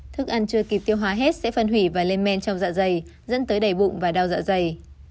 thức ăn chưa kịp tiêu hóa hết sẽ phân hủy và lên men trong dạ dày dẫn tới đầy bụng và đau dạ dày